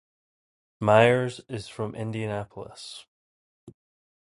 Myers is from Indianapolis.